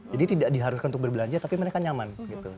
jadi tidak diharuskan untuk berbelanja tapi mereka nyaman gitu